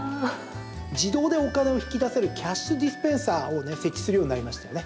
自動でお金を引き出せるキャッシュディスペンサーを設置するようになりましたよね。